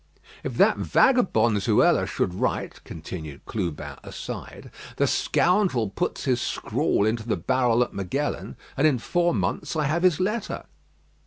"If that vagabond Zuela should write (continued Clubin aside), the scoundrel puts his scrawl into the barrel at Magellan, and in four months I have his letter."